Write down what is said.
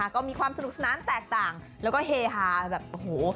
ก็มีความสนุกสนานแตกต่างแล้วก็เฮฮาแบบโอ้โห